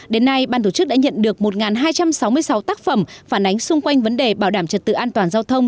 đến nay ban tổ chức đã nhận được một hai trăm sáu mươi sáu tác phẩm phản ánh xung quanh vấn đề bảo đảm trật tự an toàn giao thông